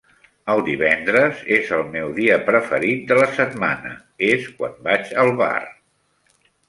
El divendres és el meu dia preferit de la setmana; és quan vaig al bar